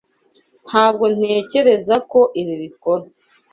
Ntabwo ntekereza ko ibi bikora.